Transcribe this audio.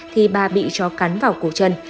thì bà bị chói cắn vào cổ chân